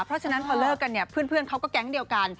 เพราะฉะนั้นพอเลิกกันเนี่ยเพื่อนเขาก็แก๊งเดียวกัน